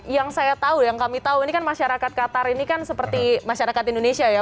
yang saya tahu yang kami tahu ini kan masyarakat qatar ini kan seperti masyarakat indonesia ya